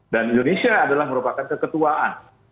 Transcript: dan indonesia adalah merupakan keketuaan